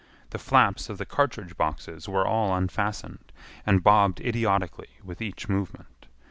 The flaps of the cartridge boxes were all unfastened, and bobbed idiotically with each movement.